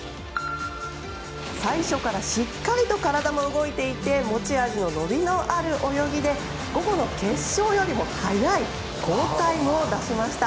最初からしっかりと体も動いていて持ち味の伸びのある泳ぎで午後の決勝よりも早い好タイムを出しました。